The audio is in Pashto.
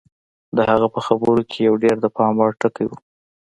د هغه په خبرو کې یو ډېر د پام وړ ټکی و